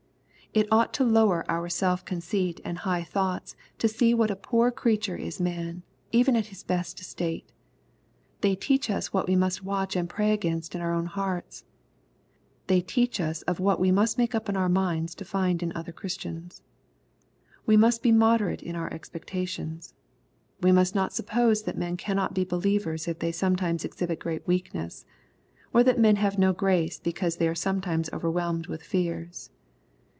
It ought to lower our self conceit and high thoughts to see what a poor creature is man, even at his best estate. — but facts Jike these are deeply in structive. They teach us what us watch and pray against in our own hearts. Thejte^h of what we must make up our minds to ^d in other Christians. We must be moderate in our expectations. We must not suppose that men cannot be believers if they sometimes exhibit great weakness, or that men have no grace because they are sometimes overwhelmed with fears.